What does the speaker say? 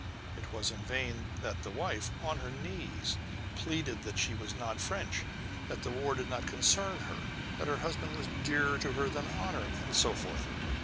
It was in vain that the wife, on her knees, pleaded that she was not French that the war did not concern her that her husband was dearer to her than honor and so forth.